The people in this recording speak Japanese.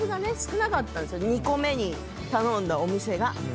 ２個目に頼んだお店が。